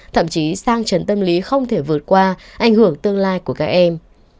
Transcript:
thậm chí sang trần tâm lý không thể vượt qua ảnh hưởng tương lai của các em